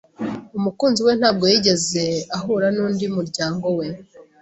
Umukunzi we ntabwo yigeze ahura nundi muryango we